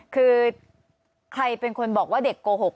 คือใครเป็นคนบอกว่าเด็กโกหก